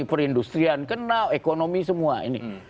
perindustrian kena ekonomi semua ini